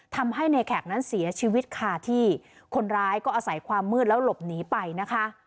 ทำให้ในแขกนั้นเสียชีวิตค่ะที่คนร้ายก็อาศัยความมืดแล้วหลบหนีไปนะคะ